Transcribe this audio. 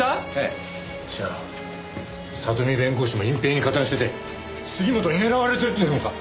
じゃあ里見弁護士も隠蔽に荷担してて杉本に狙われてるっていうのか！？